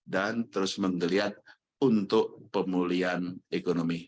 terus menggeliat untuk pemulihan ekonomi